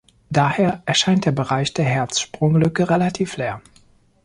Daher erscheint der Bereich der Hertzsprung-Lücke relativ leer.